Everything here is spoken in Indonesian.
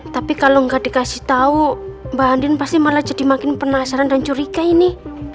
tapi kalau nggak dikasih tahu mbak andin pasti malah jadi makin penasaran dan curiga ini